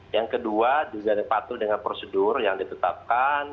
yang kedua juga patuh dengan prosedur yang ditetapkan